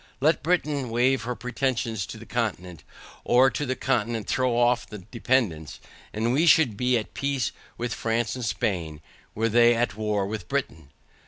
Let Britain wave her pretensions to the continent, or the continent throw off the dependance, and we should be at peace with France and Spain were they at war with Britain.